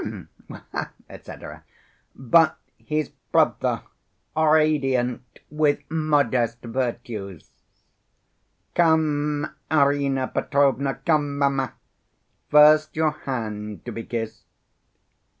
h'm ... etcetera, but his brother, radiant with modest virtues. Come, Arina Petrovna, come, mamma, first your hand to be kissed."